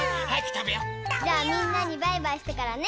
たべよう！じゃあみんなにバイバイしてからね。